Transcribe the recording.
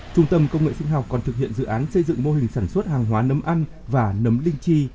trung tâm công nghệ sinh học còn thực hiện dự án xây dựng mô hình sản xuất hàng hóa nấm ăn và nấm linh chi